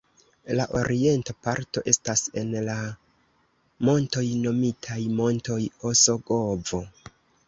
La orienta parto estas en la montoj nomitaj Montoj Osogovo.